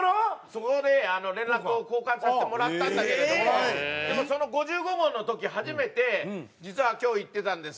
そこで連絡を交換させてもらったんだけれどもでも５５号の時初めて「実は今日行ってたんです！」